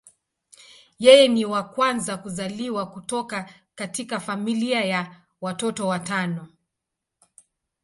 Yeye ni wa kwanza kuzaliwa kutoka katika familia ya watoto watano.